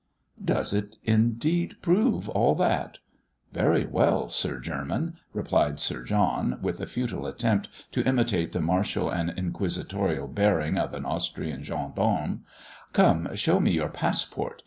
"Does it indeed prove all that? Very well, Sir German," cried Sir John, with a futile attempt to imitate the martial and inquisitorial bearing of an Austrian gendarme. "Come, show me your passport!